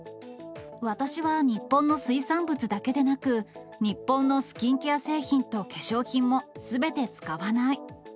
私は日本の水産物だけでなく、日本のスキンケア製品と化粧品も、すべて使わない。